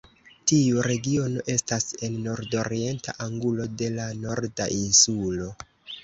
Tiu regiono estas en nordorienta angulo de la Norda Insulo.